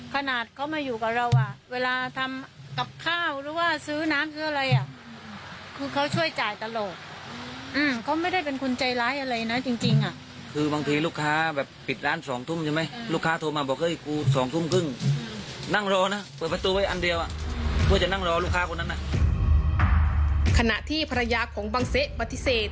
ขณะที่ภรรยาของบังเซะปฏิเสธ